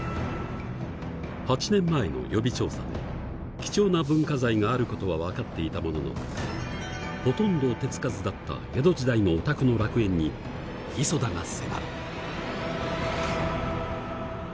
８年前の予備調査で貴重な文化財があることは分かっていたもののほとんど手付かずだった江戸時代のオタクの楽園に磯田が迫る。